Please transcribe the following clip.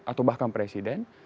atau bahkan presiden